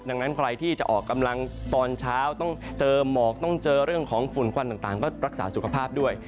ดังนั้นใครที่จะออกกำลังตอนเช้าต้องเจอหมอกต้องเจอเรื่องของฝุ่นควันต่างก็รักษาสุขภาพด้วย